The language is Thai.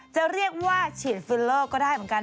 จะเรียกว่าฉีดฟิลเลอร์ก็ได้เหมือนกัน